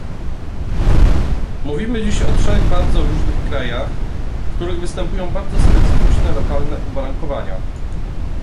Mówimy dziś o trzech bardzo różnych krajach, w których występują bardzo specyficzne lokalne uwarunkowania